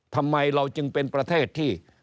ทำไมเราจึงเป็นประเทศที่